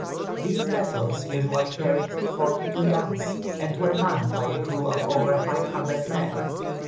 These vessels usually carried forty four guns, and were manned by a crew of over 500 men.